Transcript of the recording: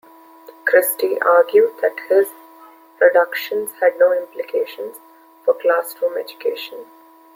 Christie argued that his reductions had no implications for classroom education.